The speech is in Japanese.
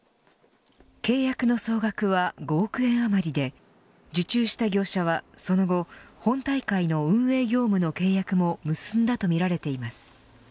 契約の総額は５億円余りで受注した業者は、その後本大会の運営業務の契約も結んだとみられています。